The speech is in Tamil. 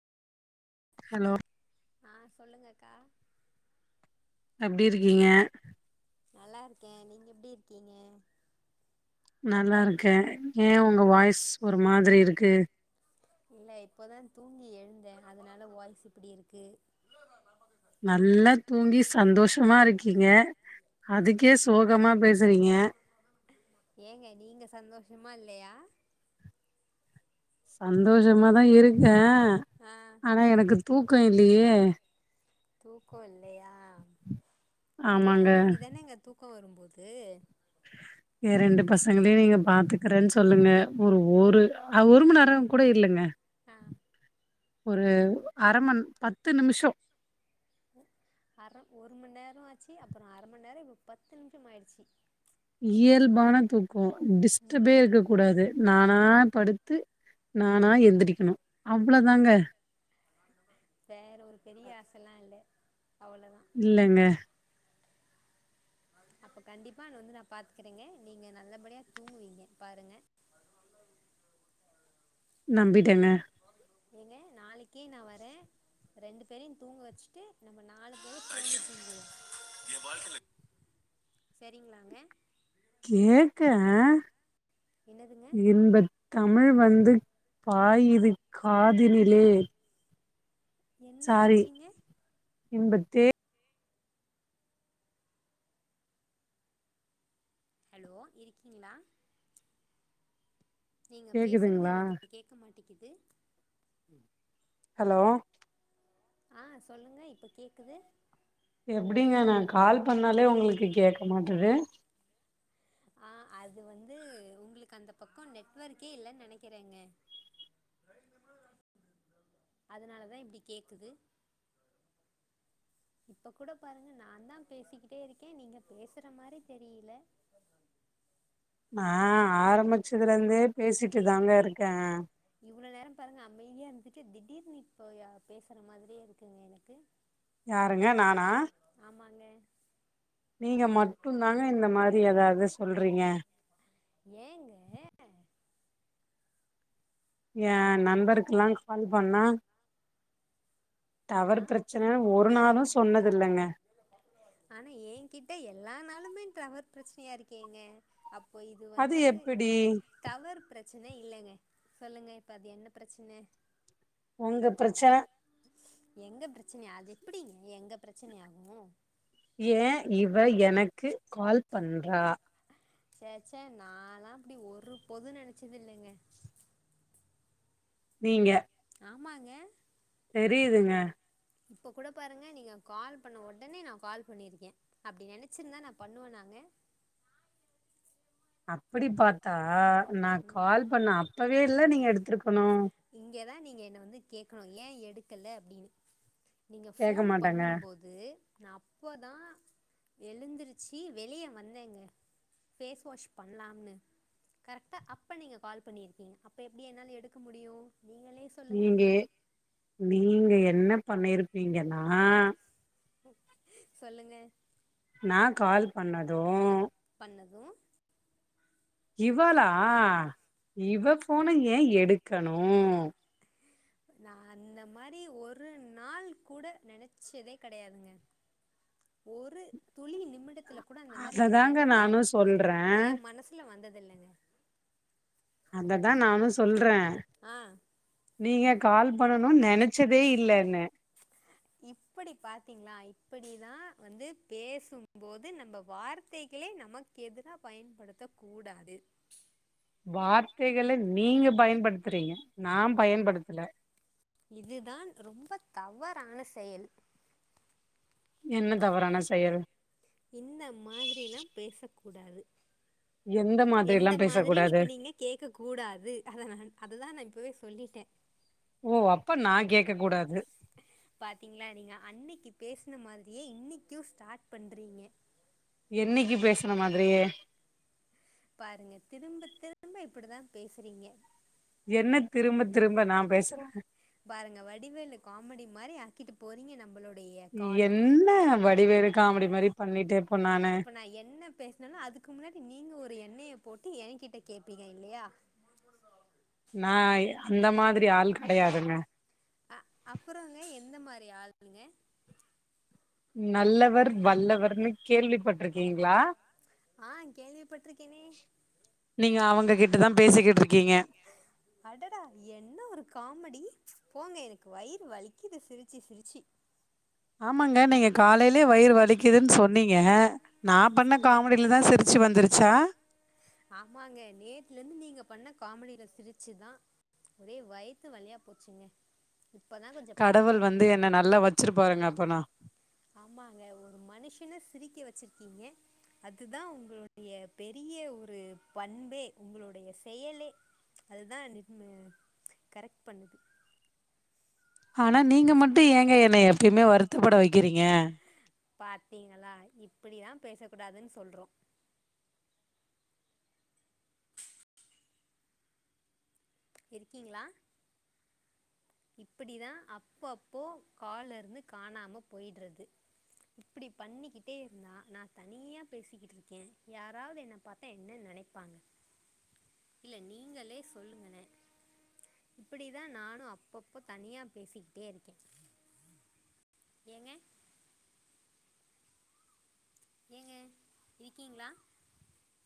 ஹலோ ஆஹ் சொல்லுங்கக்கா எப்டி இருக்கீங்க நல்லாருக்கேன் நீங்க எப்டி இருக்கீங்க நல்லாருக்கேன் ஏன் உங்க வாய்ஸ் ஒரு மாதிரி இருக்கு இல்ல இப்பதான் தூங்கி எழுந்தேன் அதனால வாய்ஸூ இப்டி இருக்கு நல்லா தூங்கி சந்தோஷமா இருக்கீங்க அதுக்கே சோகமா பேசறீங்க ஏங்க நீங்க சந்தோஷமா இல்லையா சந்தோஷமாதான் இருக்கேன் அ ஆ ஆனா எனக்கு தூக்கம்‌ இல்லியே தூக்கம் இல்லையா தூங்க ஆமாங்க வேண்டிதானேங்க தூக்கம் தூக்கம் வரும்போது எ‌ ரெண்டு பசங்களையும் நீங்க பாத்துக்கறேன்னு சொல்லுங்க ஒரு ஒரு அ ஒரு மணி நேரம் கூட இல்லங்க ஆஹ் ஒரு அரைமண் பத்து நிமிஷம் அப்ப ஒரு மணி நேரம் ஆச்சு அப்புறம் அரை மணி நேரம் இப்ப பத்து நிமிஷம் ஆயிடுச்சு இயல்பான தூக்கம் ரு டிஸ்டபே இருக்க கூடாது நான் நான் படுத்து நானா எந்திரிக்கணும் அவ்ளோ தாங்க வேற ஒரு பெரிய ஆசைல்லாம் இல் அவ்வளவு இல்லலங்க அப்ப கண்டிப்பா நா வந்து நான் பாத்துக்கறேங்க நீங்க நல்லபடியா தூங்குவீங்க பாருங்க நம்பிட்டங்க ஏங்க நாளைக்கே நான் வரேன் ரெண்டு பேரையும் தூங்க வெச்சுட்டு நம்ம நாலு பேரும் செரிங்களாங்க கேக்கேன் என்னதுங்க தமிழ் வந்து பாயுது காதினிலே என்ன வெச்சீங்க இன்பத்தேன் ஹலோ இருக்கீங்களா நீங்க பேசறது கேக்குதுங்களா எனக்கு கேக்க மாட்டேங்குது ஹலோ ஆஹ் சொல்லுங்க இப்ப கேக்குது எப்டிங்க நான் கால் பண்ணாலே உங்களுக்கு கேக்க மாட்டது ஆஹ் அது வந்து உங்களுக்கு அந்த பக்கம் நெட்வொர்க்கே இல்லன்னு நெனைக்கறேங்க அதனாலதான் இப்டி கேக்குது இப்ப கூட பாருங்க நான் தான் பேசிக்கிட்டே இருக்கேன் நீங்க பேசற மாறி தெரியல நான் ஆரம்பிச்சதுல இருந்தே பேசிட்டு தாங்க இருக்கேன் இவ்ளோ நேரம் பாருங்க அமைதியா இருந்துட்டு திடீர்னு இப்ப பேசற மாதிரியே இருக்குங்க எனக்கு யாருங்க நானா ஆமாங்க நீங்க மட்டுந்தாங்க இந்த மாரி ஏதாவது சொல்றீங்க ஏங்க ஏ நண்பருக்குல்லாம் கால் பண்ணா டவர் பண்ணா பிரச்சனன்னு ஒரு நாளும் சொன்னதில்லைங்க ஆனா எ கிட்ட எல்லா நாளூமே டவர் பிரச்சனையா இருக்கேங்க அப்போ இது அது வந்து எப்பிடி டவர் பிர பிரச்சன இல்லைங்க சொல்லுங்க இப்ப அது என்ன பிரச்சன உங்க பிரச்சன எங்க பிரச்சனையா அது எப்டிங்க எங்க பிரச்சனை ஆகும் ஏ இவ எனக்கு கால் பண்றா சேச்சா நாலாம் அப்டி ஒரு போதும் நெனைச்சது இல்லைங்க நீங்க ஆமாங்க தெரியுதுங்க இப்ப கூட பாருங்க நீங்க கால் பண்ண உடனே நா கால் பண்ணிருக்கே அப்டி நெனைச்சிருந்தா நா பண்ணுவனாங்க அப்டி பாத்தா நா கால் பண்ண அப்ப வேல நீங்க எடுத்துருக் இங்கதா நீ ங்க என்ன வந்து கேட்கணும் ஏ எடுக்கல அப்டின்னு நீங்க கேக்க ஃபோன் மாட்டாங்க. பண்ணும்போது நா அப்போதா எழுந்திருச்சி வெளியே வந்தேங்க ஃபேஸ் வாஷ் பண்லாம்னு கரெக்டாக அப்போ நீங்க கால் பண்ணிருக்கீங்க அப்போ எப்டி என்னால எடுக்க முடி டியு நீங்க நீங்க என்ன பண்ணிருப்பீங்கன்னா சொல்லுங்க நா கால் பண்ணதும் னது இவளா இவ போன ஏ எடுக்கணு நா அந்த மாரி ஒரு நாள் கூட நெனைச்சதே கெடையாதுங்க ஒரு துளி நிமி மிடத்துல கூட இந்த மாரி ஒரு அததாங்க எண்ணம் நானு சொல்றே. எ மனசுல வந்தது தில்லங்க அததா நானும் சொல்ற ஆ நீங்க கால் பண்ணணுன் நென ச்சதே இல்லன்னு இப்படிதான் வந்து பேசும்போது நம்ம வார்த்தைகளளை நமக்கு எதிராக பயன்படுத்த கூடாது வார்த்தைகளை நீங்க பயன்படுத்துறீங்க நான் பயன்படுத்தல இதுதான் ரொம்ப தவறான செயல் என்ன தவறான செயல் இந்த மாதிரிலா பேச கூடாது எந்த எந்த மாதிரில்லா மாதிரின் பேசக்கூடாது. இப்ப நீங்க கேக்க கூடாது அததான் அததான் நான் இப்பவே சொல்லிட்டே ஓ அப்ப நா கேக்க கூடாது பேஸ்ன மாதிரியே இன்னிக்கும் ஸ்டாட் பண்றீங்க என்னைகு பேசன மாதிரியே பாருங்க திரும்ப திரும்ப இப்புடிதா பேசுறீங்க என்ன திரும்ப திரும்ப நா பேசுறே பாருங்க வடிவேலு காமடி மாரி ஆக்கிட்டு போறீங்க நம்பளோ என்ன வடிவேலு காமெடி மாரி பண்ணீடே இப்ப நா என்ன பேஸ்னாலும் அதுக்கு முன்னாடி நீங்க ஒரு என் னைய போட்டு ஏ கிட்ட கேப்பீங்க இல்லயா நா அந்த மாதிரி ஆள் கடையாதுங்க அ அப்புறோங்க எந்த மாரி ஆளுங்க நல்லவர் வல்லவர்னு கேள்விபட்ருக்கீங்ளா ஆ கேள்விப்பட்ருக்கேனே ககிட்ட தா பேசிகுட்ருக் அடடா என்ன ஒரு காமெடி போங்க எனக்கு வயிறு வலிக்கிது சிரிச்சு சிரிச்சு ஆமாங்க நீங்க காலேலயே வயிறு வலிக்குதுன் சொன்னீங்க நா பண்ண காமெடியலதா சிரிச்சு வந்துருச்சா ஆமாங்க நேத்ல இருந்து நீங்க பண்ண காமெடில சிரிச்சுதா ஒரே வய்த்து வலியா போச்சுங்க இப்பதான் கொஞ்சம் கடவுள் வந்து பரவாயில்லங்க என்ன நல்லா வச்சுரு பாருங்க அப்பனா ஆமாங்க ஒரு மனுஷன சிரிக்க வெச்சுருக்கீங்க அதுதா உங்களுடைய பெரிய ஒரு பண்பே உங்களுடைய செயலே அதுதா நின்னு கரெக்ட் பண்ணுது ஆனா நீங்க மட்டும் ஏங்க என்னய எப்யுமே வருத்தப்பட வெக்கிறீங்க பாத்தீங்களா இப்பிடிதா பேச கூடாதுன் சொல்றோ இருக்கீங்களா இப்பிடிதா அப்போ அப்போ கால்ல இருந்து காணாம போய்ட்றது இப்பிடி பண்ணிகிட்டே இருந்தா நா தனியா பேசிகிட்டு இருக்கே யாராவ்து என்ன பாத்தா என்ன நெனைப்பாங்க இல்ல நீங்களே சொல்லுங்களே இப்பிடிதா நானும் அப் பப்போ தனியா பேசிகிட்டே இருக்கே எங்க ஏங்க இருக்கீங்ளா